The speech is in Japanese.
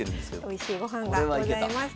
おいしい御飯がございます。